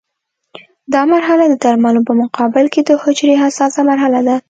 دا مرحله د درملو په مقابل کې د حجرې حساسه مرحله ده.